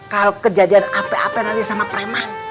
kalau kejadian apa apa nanti sama preman